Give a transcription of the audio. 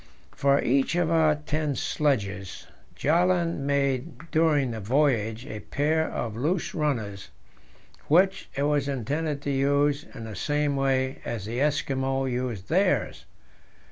For each of our ten sledges, Bjaaland made during the voyage a pair of loose runners, which it was intended to use in the same way as the Eskimo use theirs.